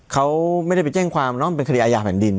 เขาไม่ได้ไปแจ้งความเป็นคดีอาหยาแผ่นดิน